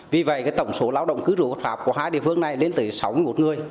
vì vậy tổng số lao động cứ rủ pháp của hai địa phương này lên tới sáu mươi một người